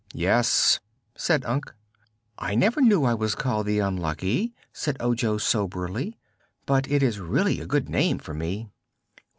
"Yes," said Unc. "I never knew I was called the Unlucky," said Ojo, soberly; "but it is really a good name for me."